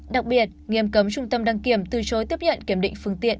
đặc biệt nghiêm cấm trung tâm đăng kiểm từ chối tiếp nhận kiểm định phương tiện